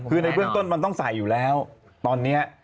คือในเบื้องต้นมันต้องใส่อยู่แล้วตอนนี้